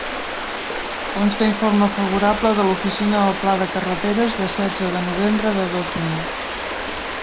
Consta informe favorable de l'Oficina del Pla de Carreteres de setze de novembre de dos mil.